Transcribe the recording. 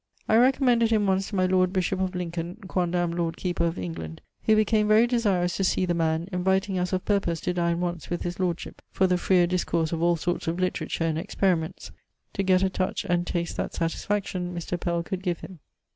I recommended him once to my Lord Bishop of Lincoln (quondam Lord Keeper of England), who became very desirous to see the man, inviting us of purpose to dine once with his lordship for the freer discourse of all sorts of literature and experiments, to get a touch and taste that satisfaction Mr. Pell could give him.